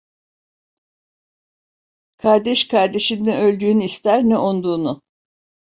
Kardeş kardeşin ne öldüğünü ister; ne onduğunu.